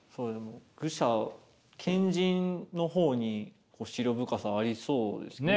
愚者賢人の方に思慮深さはありそうですね。